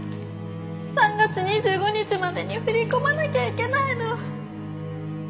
３月２５日までに振り込まなきゃいけないの。